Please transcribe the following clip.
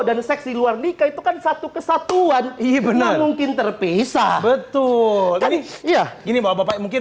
dan seksi luar nikah itu kan satu kesatuan ibu mungkin terpisah betul ini ya ini bapak mungkin